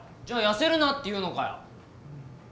じゃあ痩せるなって言うのかよ。